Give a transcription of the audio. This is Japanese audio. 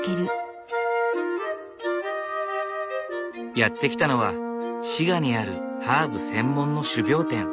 やって来たのは滋賀にあるハーブ専門の種苗店。